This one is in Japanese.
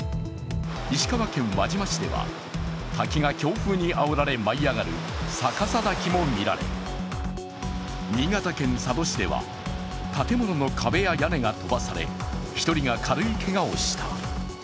石川県輪島市では、滝が強風にあおられ舞い上がる逆さ滝みも見られ新潟県佐渡市では建物の壁や屋根が飛ばされ１人が軽いけがをした。